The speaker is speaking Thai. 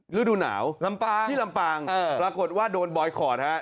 ฤดูหนาวที่ลำปางปรากฏว่าโดนบอยคอร์ดครับ